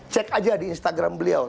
cek aja di instagram beliau